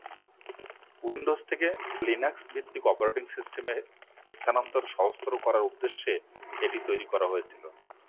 Windows থেকে লিনাক্স-ভিত্তিক operating সিস্টেমে স্থানান্তর সহজতর করার উদ্দেশ্যে এটি তৈরি করা হয়েছে।